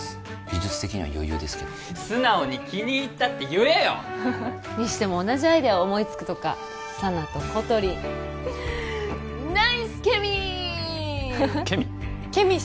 技術的には余裕ですけど素直に気に入ったって言えよにしても同じアイデアを思いつくとか佐奈とコトリンナイスケミケミ？